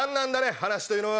話というのは。